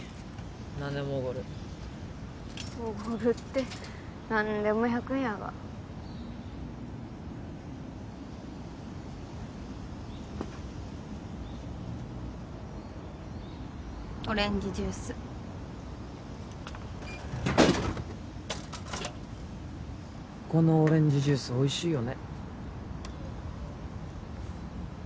何でもおごるおごるって何でも１００円やがオレンジジュースこのオレンジジュースおいしいよね